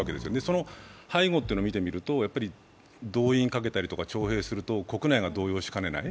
その背後っていうのを見てみると動員をかけたり徴兵をすると国内が動揺しかねない。